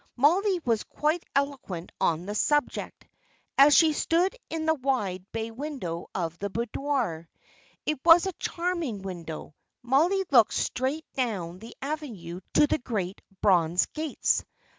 Mollie was quite eloquent on the subject, as she stood in the wide bay window of the boudoir. It was a charming window. Mollie looked straight down the avenue to the great bronze gates.